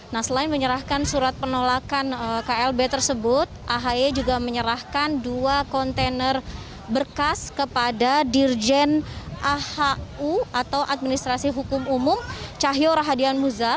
nah selain menyerahkan surat penolakan klb tersebut ahy juga menyerahkan dua kontainer berkas kepada dirjen ahu atau administrasi hukum umum cahyo rahadian muzar